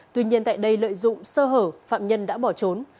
tuy nhiên tại đây lợi dụng sơ hở phạm nhân đã bỏ trốn